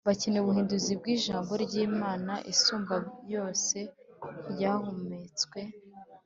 bakeneye ubuhinduzi bw Ijambo ry Imana Isumbabyose ryahumetswe